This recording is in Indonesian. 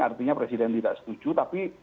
artinya presiden tidak setuju tapi